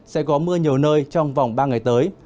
sẽ có mưa nhiều nơi trong vòng ba ngày tới